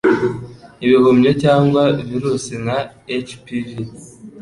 ibihumyo cyangwa virusi nka HPV,